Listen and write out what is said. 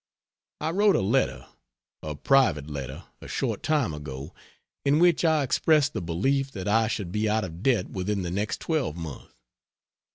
I wrote a letter a private letter a short time ago, in which I expressed the belief that I should be out of debt within the next twelvemonth.